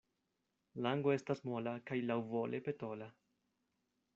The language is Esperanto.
Lango estas mola kaj laŭvole petola.